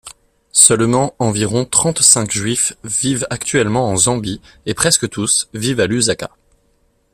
Seulement environ trente-cinq Juifs vivent actuellement en Zambie, et presque tous vivent à Lusaka.